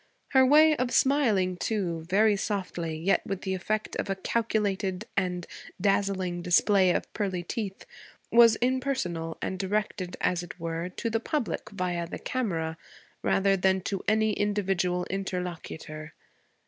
Her way of smiling, too, very softly, yet with the effect of a calculated and dazzling display of pearly teeth, was impersonal, and directed, as it were, to the public via the camera rather than to any individual interlocutor.